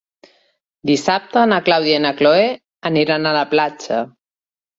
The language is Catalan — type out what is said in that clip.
Dissabte na Clàudia i na Cloè aniran a la platja.